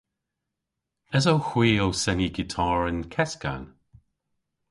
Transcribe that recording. Esowgh hwi ow seni gitar y'n keskan?